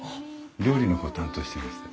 料理の方を担当していまして。